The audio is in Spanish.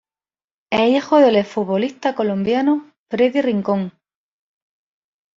Es hijo del ex futbolista colombiano Freddy Rincón.